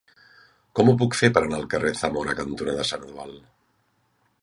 Com ho puc fer per anar al carrer Zamora cantonada Sant Eudald?